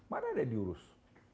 mana ada diurus